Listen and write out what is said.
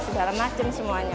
sebagai macam semuanya